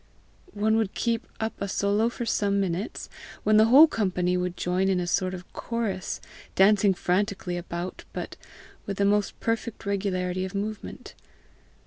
One would keep up a solo for some minutes, when the whole company would join in a sort of chorus, dancing frantically about, but with the most perfect regularity of movement.